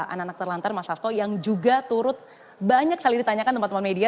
anak anak terlantar mas hasto yang juga turut banyak sekali ditanyakan teman teman media